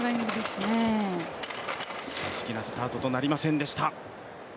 正式なスタートとなりませんでした。